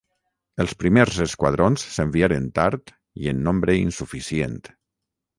Els primers esquadrons s'enviaren tard i en nombre insuficient.